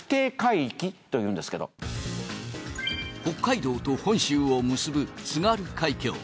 北海道と本州を結ぶ津軽海峡。